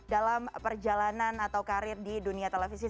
dalam perjalanan atau karir di dunia televisi